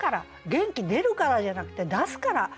「元気出るから」じゃなくて「出すから」。